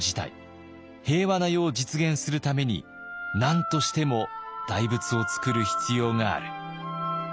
平和な世を実現するために何としても大仏をつくる必要がある。